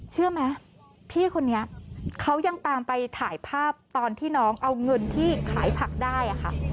เชื่อไหมพี่คนนี้เขายังตามไปถ่ายภาพตอนที่น้องเอาเงินที่ขายผักได้ค่ะ